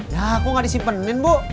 ya kok gak disipenin bu